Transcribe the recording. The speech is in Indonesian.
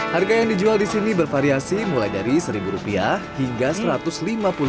harga yang dijual di sini bervariasi mulai dari rp satu hingga rp satu ratus lima puluh